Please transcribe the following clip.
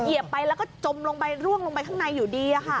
เหยีไปแล้วก็จมลงไปร่วงลงไปข้างในอยู่ดี